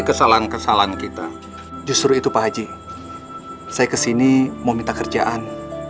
kesalahan kesalahan kita justru itu pak haji saya kesini mau minta kerjaan